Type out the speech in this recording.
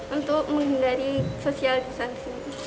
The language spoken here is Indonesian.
untuk menghindari sosial disansi